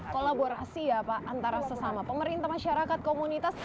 kolaborasi ya pak antara sesama pemerintah masyarakat komunitas